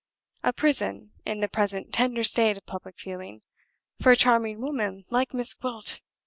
A prison, in the present tender state of public feeling, for a charming woman like Miss Gwilt!